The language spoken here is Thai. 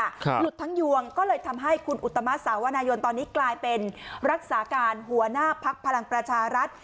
หลุดทั้งยวงก็เลยทำให้คุณอุตมะสาวนายนตอนนี้กลายเป็นรักษาการหัวหน้าพักพลังประชารัฐ